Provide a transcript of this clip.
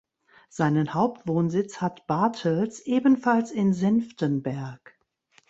Seinen Hauptwohnsitz hat Bartels ebenfalls in Senftenberg.